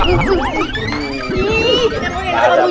gak boleh gak mau bujur